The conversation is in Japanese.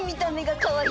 かわいい！